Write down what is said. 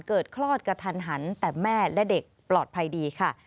คลอดกระทันหันแต่แม่และเด็กปลอดภัยดีค่ะ